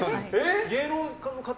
芸能界の方？